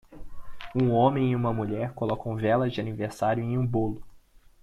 Um homem e uma mulher colocam velas de aniversário em um bolo.